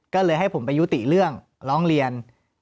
ก็เลยให้ผมไปยุติเรื่องร้องเรียน